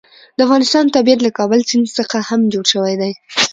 د افغانستان طبیعت له کابل سیند څخه هم جوړ شوی دی.